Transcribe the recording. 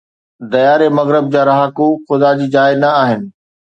ديار مغرب جا رهاڪو خدا جي جاءِ نه آهن